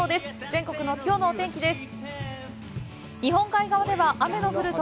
全国のきょうのお天気です。